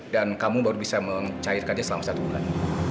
dan kamu baru bisa mencairkannya selama satu bulan